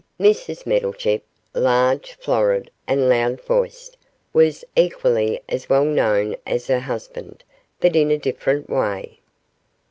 Mrs Meddlechip, large, florid, and loud voiced, was equally as well known as her husband, but in a different way.